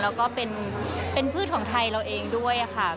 แล้วก็เป็นพืชของไทยเราเองด้วยค่ะ